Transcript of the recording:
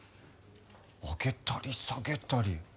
上げたり下げたり。